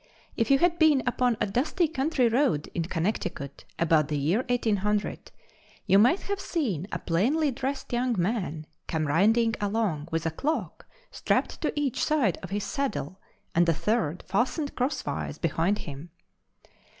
If you had been upon a dusty country road in Connecticut about the year 1800, you might have seen a plainly dressed young man come riding along with a clock strapped to each side of his saddle and a third fastened crosswise behind him.